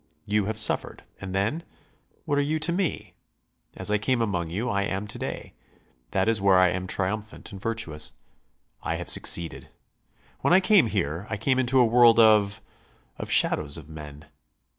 You have suffered. And then? What are you to me? As I came among you I am to day; that is where I am triumphant and virtuous. I have succeeded. When I came here I came into a world of of shadows of men.